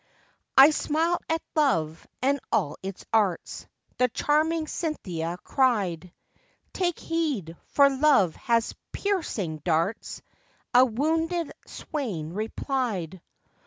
I smile at Love, and all its arts, The charming Cynthia cried: Take heed, for Love has piercing darts, A wounded swain replied.